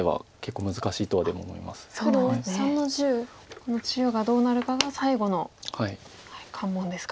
この中央がどうなるかが最後の関門ですか。